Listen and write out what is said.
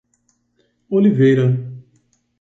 Oliveira